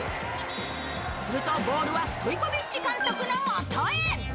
すると、ボールはストイコビッチ監督の元へ。